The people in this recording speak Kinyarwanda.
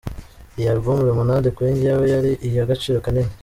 Iyi album ‘Lemonade’ kuri njyewe yari iy’agaciro kanini…”.